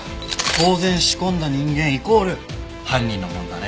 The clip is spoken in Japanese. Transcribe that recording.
当然仕込んだ人間イコール犯人のもんだね。